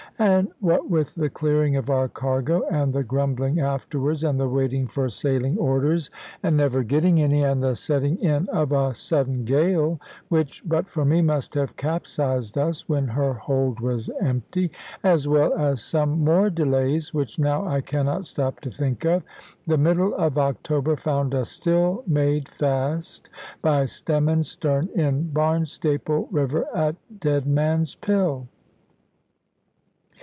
And what with the clearing of our cargo, and the grumbling afterwards, and the waiting for sailing orders and never getting any, and the setting in of a sudden gale (which, but for me, must have capsized us when her hold was empty), as well as some more delays which now I cannot stop to think of the middle of October found us still made fast, by stem and stern, in Barnstaple river, at Deadman's Pill.